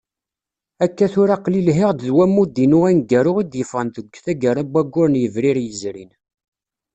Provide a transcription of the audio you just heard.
Akka tura aql-i lhiɣ-d d wammud-inu aneggaru I d-yeffɣen deg taggara n wayyur n yebrir yezrin.